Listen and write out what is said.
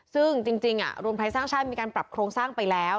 ซึ่งจริงรวมไทยสร้างชาติมีการปรับโครงสร้างไปแล้ว